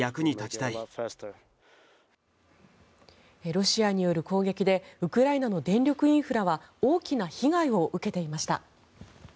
ロシアによる攻撃でウクライナの電力インフラは大きな被害を受けていました。